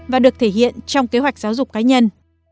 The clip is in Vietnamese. và được thể hiện trong kế hoạch giáo dục cá nhân